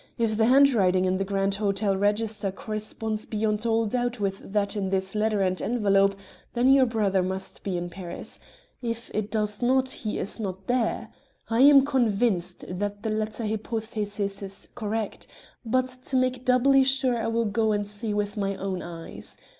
If the handwriting in the Grand Hotel register corresponds beyond all doubt with that in this letter and envelope, then your brother must be in Paris. If it does not, he is not there. I am convinced that the latter hypothesis is correct, but to make doubly sure I will go and see with my own eyes.